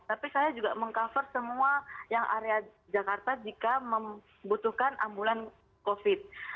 tapi saya juga meng cover semua yang area jakarta jika membutuhkan ambulan covid